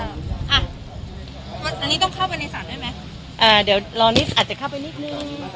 อันนี้ต้องเข้าไปในศาลได้ไหมอ่าเดี๋ยวรอนิดอาจจะเข้าไปนิดนึง